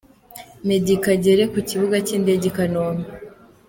Meddie Kagere ku kibuga cy’indege i Kanombe.